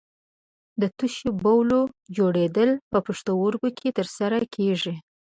د تشو بولو جوړېدل په پښتورګو کې تر سره کېږي.